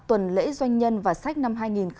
tuần lễ doanh nhân và sách năm hai nghìn hai mươi